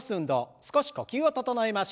少し呼吸を整えましょう。